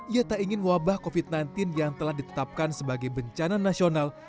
ia tak ingin wabah covid sembilan belas yang telah ditetapkan sebagai bencana nasional